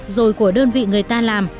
rồi của đơn vị người ta làm